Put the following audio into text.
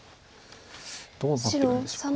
どうなってるんでしょうか。